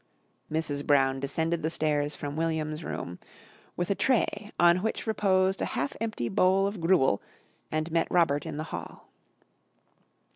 Mrs. Brown descended the stairs from William's room with a tray on which reposed a half empty bowl of gruel, and met Robert in the hall.